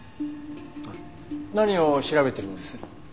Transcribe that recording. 何を調べてるんです？